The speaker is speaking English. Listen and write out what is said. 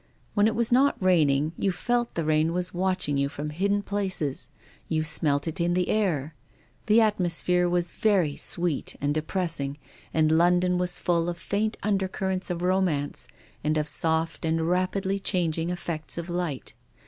When it was not raining, you felt the rain was watching you from hidden places. You smelt it in the air. The atmosphere was very sweet and depressing, and London was full of faint undercurrents of romance, and of soft and rapidly changing effects of light.